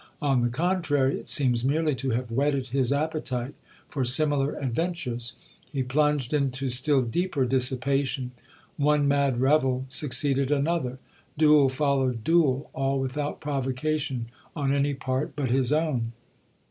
On the contrary, it seems merely to have whetted his appetite for similar adventures. He plunged into still deeper dissipation; one mad revel succeeded another; duel followed duel, all without provocation on any part but his own.